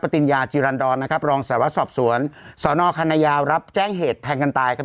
ติญญาจิรันดรนะครับรองสารวัตรสอบสวนสนคณะยาวรับแจ้งเหตุแทงกันตายครับ